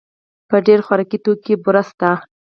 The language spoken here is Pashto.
په ډېر خوراکي توکو کې بوره شته.